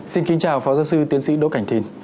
xin kính chào phó giáo sư tiến sĩ đỗ cảnh thìn